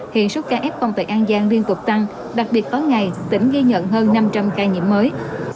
hiện số ca fon tại an giang liên tục tăng đặc biệt có ngày tỉnh ghi nhận hơn năm trăm linh ca nhiễm mới